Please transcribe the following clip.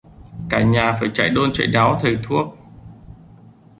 cả nhà phải chạy đôn chạy đáo thầy thuốc